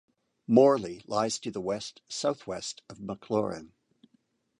Morley lies to the west-southwest of Maclaurin.